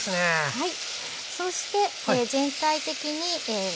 はい。